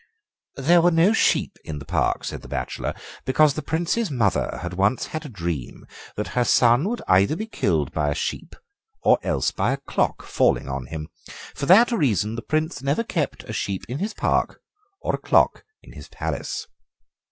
"There were no sheep in the park," said the bachelor, "because the Prince's mother had once had a dream that her son would either be killed by a sheep or else by a clock falling on him. For that reason the Prince never kept a sheep in his park or a clock in his palace."